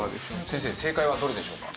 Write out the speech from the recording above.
先生正解はどれでしょうか？